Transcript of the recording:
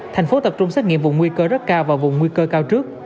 thành phố tập trung xét nghiệm vùng nguy cơ rất cao và vùng nguy cơ cao trước